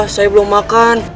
saya belum makan